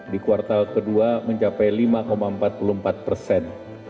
di kuartal kedua mencapai lima empat puluh empat persen